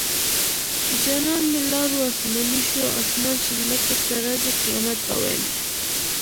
جانان مې لاړو اسماني شو اسمان چې ځمکې ته راځي قيامت به وينه